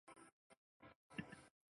翁堡比当日人口变化图示